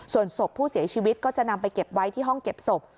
ส่วนศพผู้เสียชีวิตก็จะนำไปเก็บไว้ที่ห้องเก็บศพ